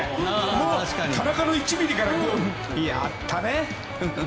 もう田中の１ｍｍからやったね。